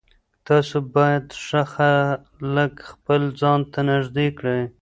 تاسو باید ښه خلک خپل ځان ته نږدې کړئ.